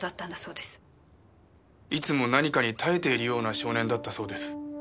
いつも何かに耐えているような少年だったそうです。